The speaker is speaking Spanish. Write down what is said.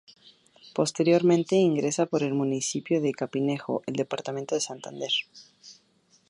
Posteriormente ingresa por el municipio de Capitanejo al departamento de Santander.